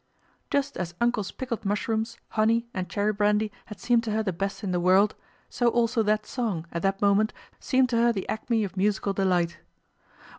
Just as "Uncle's" pickled mushrooms, honey, and cherry brandy had seemed to her the best in the world, so also that song, at that moment, seemed to her the acme of musical delight.